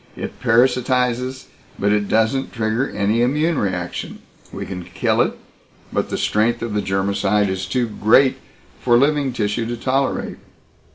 It parasitizes, but it doesn't trigger any immune reaction. We can kill it, but the strength of the germicide is too great for living tissue to tolerate."